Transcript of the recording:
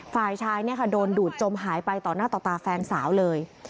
ฝ่ายชายโดนดูดจมหายไปต่อหน้าต่อตาแฟนสาวเลย